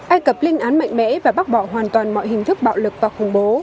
ai cập lên án mạnh mẽ và bác bỏ hoàn toàn mọi hình thức bạo lực và khủng bố